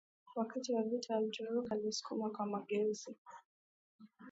wakati wa vita Ataturk alisukuma kwa mageuzi